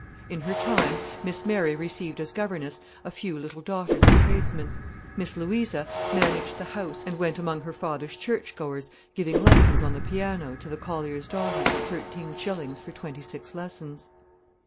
In her time, Miss Mary received as governess a few little daughters of tradesmen; Miss Louisa managed the house and went among her father's church goers, giving lessons on the piano to the colliers' daughters at thirteen shillings for twenty six lessons.